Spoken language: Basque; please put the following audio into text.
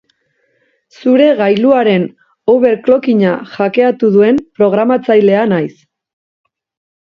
Zure gailuaren overclockinga hackeatu duen programatzailea naiz.